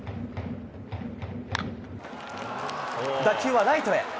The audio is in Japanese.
打球はライトへ。